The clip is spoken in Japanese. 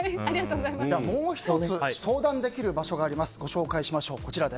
もう１つ相談できる場所があります。